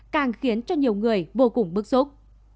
càng khiến cho nhiều người vô cùng bức xúc